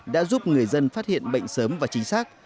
đã giúp người dân phát hiện bệnh sớm và chính xác